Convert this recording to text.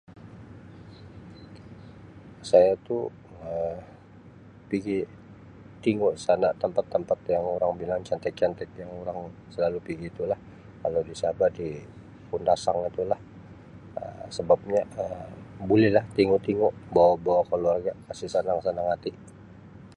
Saya tu Um pigi tingu sana tempat-tempat yang orang bilang cantik-cantik yang orang selalu pigi tulah, kalau di Sabah di Kundasang itulah, Um sebabnya Um bolehlah tingu-tingu bawa-bawa keluarga kasih senang hati.